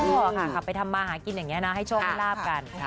ค่ะขับไปทำมาหากินอย่างนี้นะให้โชคให้ลาบกัน